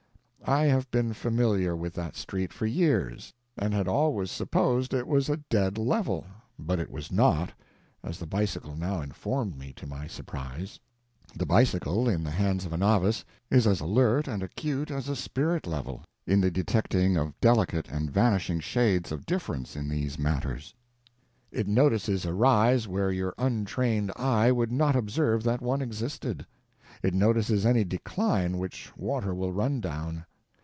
I have been familiar with that street for years, and had always supposed it was a dead level; but it was not, as the bicycle now informed me, to my surprise. The bicycle, in the hands of a novice, is as alert and acute as a spirit level in the detecting of delicate and vanishing shades of difference in these matters. It notices a rise where your untrained eye would not observe that one existed; it notices any decline which water will run down.